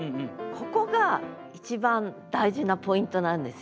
ここが一番大事なポイントなんですよ。